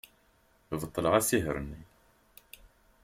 Beṭleɣ asihaṛ-nni.